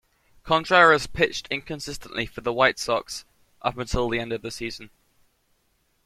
Contreras pitched inconsistently for the White Sox, up until the end of the season.